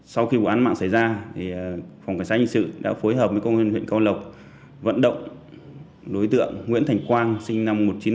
sau khi vụ án mạng xảy ra phòng cảnh sát nhân sự đã phối hợp với công nhân huyện cao lộc vận động đối tượng nguyễn thành quang sinh năm một nghìn chín trăm bảy mươi tám